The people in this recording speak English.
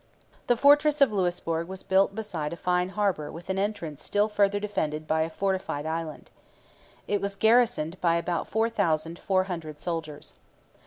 The fortress of Louisbourg was built beside a fine harbour with an entrance still further defended by a fortified island. It was garrisoned by about four thousand four hundred soldiers.